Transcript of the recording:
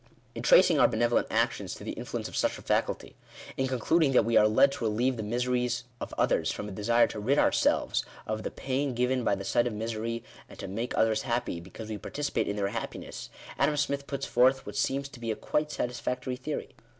In tracing our benevolent actions to the influence of such a faculty — in concluding that we are led to relieve the miseries of others from a desire to rid ourselves of the pain given by the sight of misery, and to make others happy, because we participate in their happiness, Adam Smith puts forth what seems to be a quite satisfactory theory.